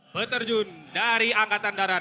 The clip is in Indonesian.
peterjun dari angkatan darat